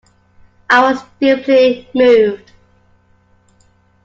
I was deeply moved.